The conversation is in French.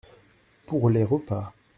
Pour les repas.